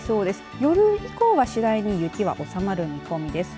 夜以降は次第に雪は収まる見込みです。